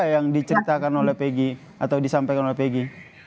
apa yang diceritakan oleh pegi atau disampaikan oleh peggy